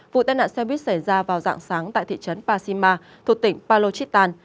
vụ tên nạn xe buýt xảy ra vào dạng sáng tại thị trấn pasima thuộc tỉnh palochistan